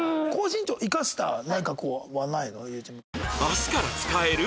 明日から使える？